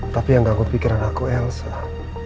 tapi yang ganggu pikiran aku elsa